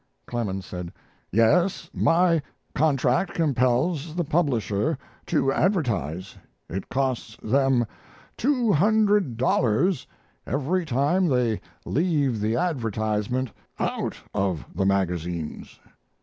Clemens said: "Yes, my contract compels the publisher to advertise. It costs them two hundred dollars every time they leave the advertisement out of the magazines."